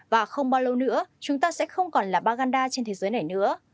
và không bao lâu nữa chúng ta sẽ không còn là baganda trên thế giới này nữa